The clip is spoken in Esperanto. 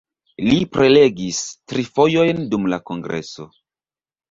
Li prelegis tri fojojn dum la kongreso.